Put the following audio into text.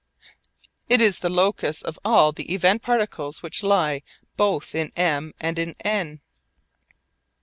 It is the locus of all the event particles which lie both in M and in N.